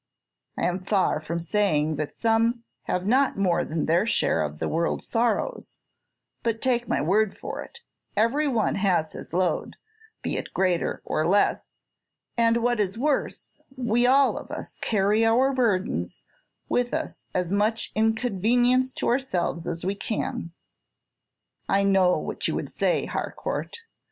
I am far from saying that some have not more than their share of the world's sorrows; but, take my word for it, every one has his load, be it greater or less; and, what is worse, we all of us carry our burdens with as much inconvenience to ourselves as we can." "I know what you would say, Harcourt.